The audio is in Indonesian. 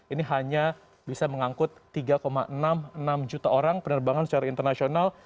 ini hanya bisa mengangkut tiga enam puluh enam juta orang penerbangan secara internasional